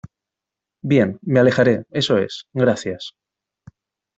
Bien, me alejaré. Eso es . gracias .